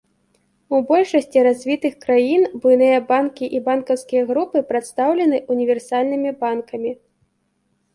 У большасці развітых краін буйныя банкі і банкаўскія групы прадстаўлены універсальнымі банкамі.